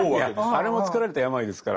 あれもつくられた病ですから。